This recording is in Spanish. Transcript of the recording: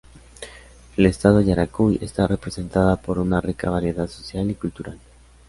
El estado Yaracuy está representada por una rica variedad social y cultural.